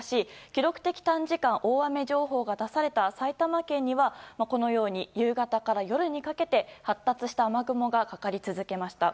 記録的短時間大雨情報が出された埼玉県にはこのように夕方から夜にかけて発達した雨雲がかかり続けました。